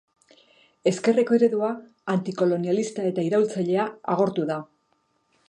Ezkerreko eredua, antikolonialista eta iraultzailea agortu da.